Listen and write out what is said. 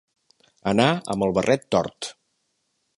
Anar amb el barret tort.